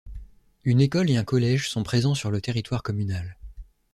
Une école et un collège sont présents sur le territoire communal.